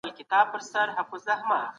د پښتو ژبې او ټولنې لپاره خدمت وکړي.